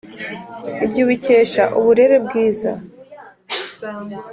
ibyo ubikesha uburere bwiza